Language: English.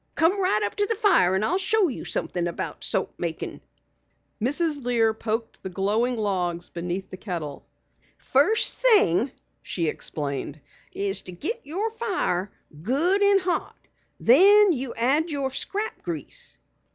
Come right up to the fire and I'll show you something about soap makin'." Mrs. Lear poked the glowing logs beneath the kettle. "First thing," she explained, "is to get your fire good and hot. Then you add your scrap grease."